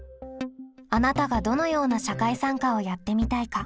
あなたがどのような社会参加をやってみたいか。